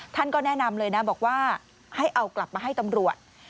ท่านก็แนะนำเลยนะบอกว่าให้เอากลับมาให้ตำรวจ